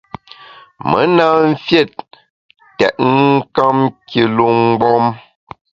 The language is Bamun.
Me na mfiét tètnkam kilu mgbom.